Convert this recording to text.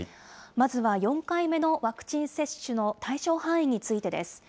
まずは４回目のワクチン接種の対象範囲についてです。